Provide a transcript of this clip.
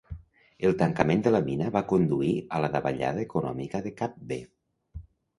El tancament de la mina va conduir a la davallada econòmica de Kabwe.